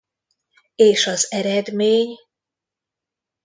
És az eredmény?